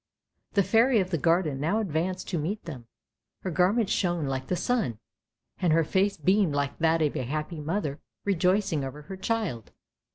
The Fairy of the Garden now advanced to meet them; her garments shone like the sun, and her face beamed like that of a happy mother rejoicing over her child.